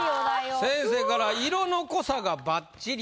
先生から「色の濃さがバッチリ！」